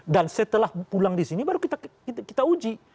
dan setelah pulang disini baru kita uji